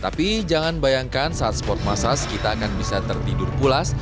tapi jangan bayangkan saat sport massage kita akan bisa tertidur pulas